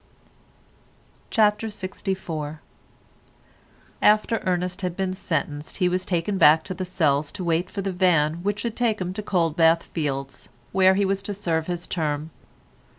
CHAPTER LXIV After Ernest had been sentenced, he was taken back to the cells to wait for the van which should take him to Coldbath Fields, where he was to serve his term.